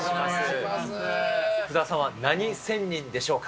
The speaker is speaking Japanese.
福澤さんは何仙人でしょうか？